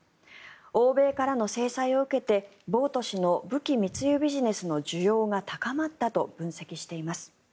欧米からの制裁を受けてボウト氏の武器密輸ビジネスの需要が高まったと分析しています。